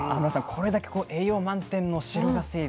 これだけ栄養満点の白ガスエビ。